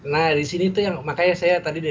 nah disini tuh yang makanya saya tadi